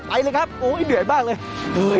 ไปเลยครับโอ๊ยเดือดมากเลย